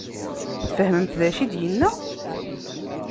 Tfehmemt d acu i d-yenna?